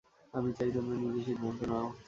আমি চাই তোমরা নিজে সিদ্ধান্ত নাও।